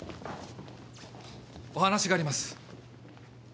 お話があります。